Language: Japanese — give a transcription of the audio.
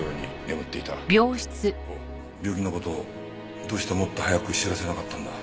病気の事どうしてもっと早く知らせなかったんだ？